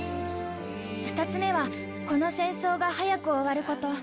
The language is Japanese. ２つ目はこの戦争が早く終わること。